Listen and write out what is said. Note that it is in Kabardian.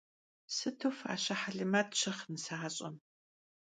Sıtu faşe helemet şığ nısaş'em.